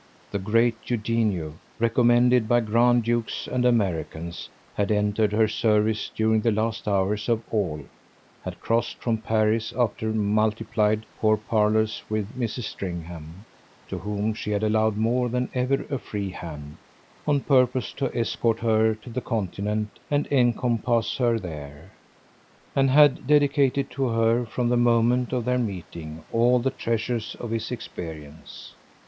The great Eugenio, recommended by grand dukes and Americans, had entered her service during the last hours of all had crossed from Paris, after multiplied pourparlers with Mrs. Stringham, to whom she had allowed more than ever a free hand, on purpose to escort her to the Continent and encompass her there, and had dedicated to her, from the moment of their meeting, all the treasures of his experience.